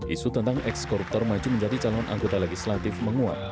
isu tentang ex koruptor maju menjadi calon anggota legislatif menguat